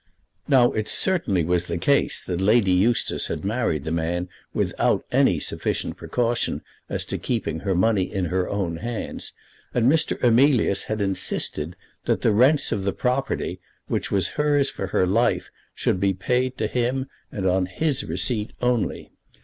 Now, it certainly was the case that Lady Eustace had married the man without any sufficient precaution as to keeping her money in her own hands, and Mr. Emilius had insisted that the rents of the property which was hers for her life should be paid to him, and on his receipt only.